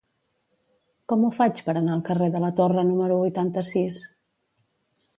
Com ho faig per anar al carrer de la Torre número vuitanta-sis?